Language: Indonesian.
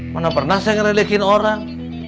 mana pernah saya ngerelikin orang